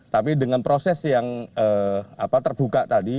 tapi dengan proses yang terbuka tadi